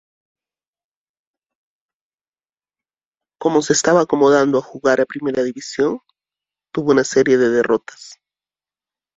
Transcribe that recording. Como se estaba acomodando a jugar a primera división, tuvo una serie se derrotas.